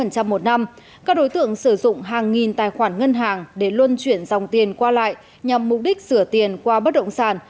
các đối tượng sử dụng hàng nghìn tài khoản ngân hàng để luân chuyển dòng tiền qua lại nhằm mục đích sửa tiền qua bất động sản